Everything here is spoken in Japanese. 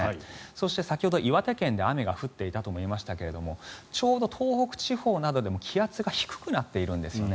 そして先ほど岩手県で雨が降っていたと思いましたがちょうど東北地方などでも気圧が低くなっているんですよね